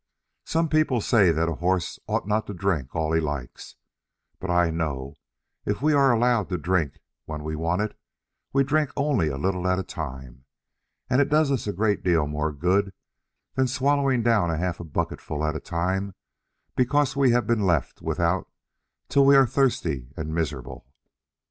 Some people say that a horse ought not to drink all he likes; but I know if we are allowed to drink when we want it we drink only a little at a time, and it does us a great deal more good than swallowing down half a bucketful at a time because we have been left without till we are thirsty and miserable.